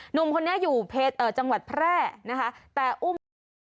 หนุ่มคนนี้อยู่จังหวัดแพร่นะคะแต่อุ้มเอาไว้